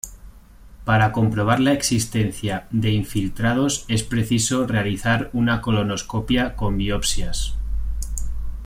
Para comprobar la existencia de infiltrados es preciso realizar una colonoscopia con biopsias.